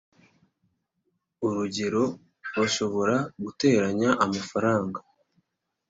urugero:bashobora guteranya amafaranga